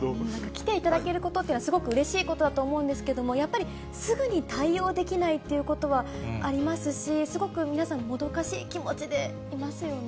来ていただけることっていうのは、すごくうれしいことだと思うんですけれども、やっぱりすぐに対応できないっていうことはありますし、すごく皆さん、もどかしい気持ちでいますよね。